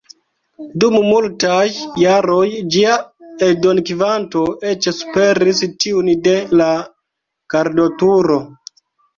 Dum multaj jaroj ĝia eldonkvanto eĉ superis tiun de "La Gardoturo".